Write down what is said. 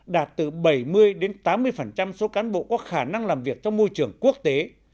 đạt từ bảy mươi tám mươi số cán bộ có khả năng làm việc trong môi trường quốc tế